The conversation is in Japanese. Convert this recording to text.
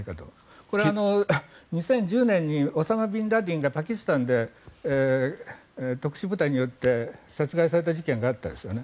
これは２０１０年のオサマ・ビンラディンがパキスタンで特殊部隊によって殺害された事件があったんですよね。